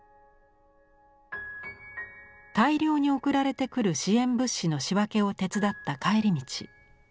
大量に送られてくる支援物資の仕分けを手伝った帰り道。